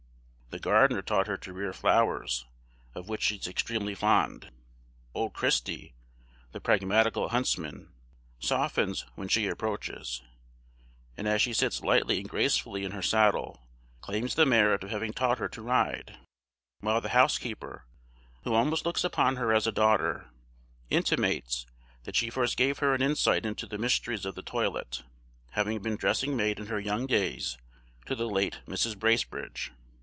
The gardener taught her to rear flowers, of which she is extremely fond. Old Christy, the pragmatical huntsman, softens when she approaches; and as she sits lightly and gracefully in her saddle, claims the merit of having taught her to ride; while the housekeeper, who almost looks upon her as a daughter, intimates that she first gave her an insight into the mysteries of the toilet, having been dressing maid in her young days to the late Mrs. Bracebridge.